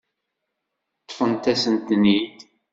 Ṭṭfent-asent-ten-id.